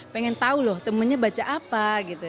pengen tahu loh temennya baca apa gitu